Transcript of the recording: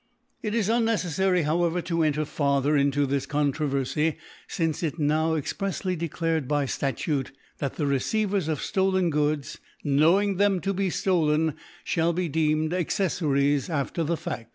It is unneceffary, however, to enter fur* thcr into this Controverfy ; fince it is now exprelsly declared by Statute f, * That the * Receivers of ftolen Goods, knowing them * to be ftolen, fliall be deemed Acceflaries * after the V^O